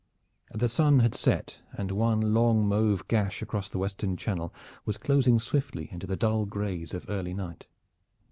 The sun had set, and one long mauve gash across the western Channel was closing swiftly into the dull grays of early night.